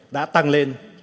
đã tăng lên